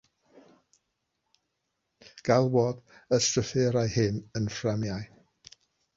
Galwodd y strwythurau hyn yn “fframiau”.